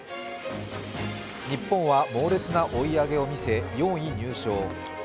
日本は猛烈な追い上げを見せ４位入賞。